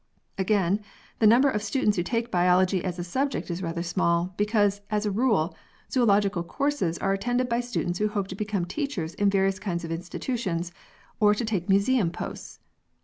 Again, the number of students who take biology as a subject is rather small, because, as a rule, zoo logical courses are attended by students who hope to become teachers in various kinds of institutions, or to take museum posts.